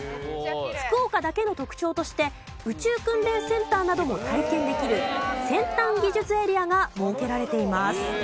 福岡だけの特長として宇宙訓練センターなども体験できる先端技術エリアが設けられています。